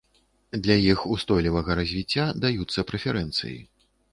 Для іх устойлівага развіцця даюцца прэферэнцыі.